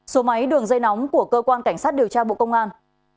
số máy đường dây nóng của cơ quan cảnh sát điều tra bộ công an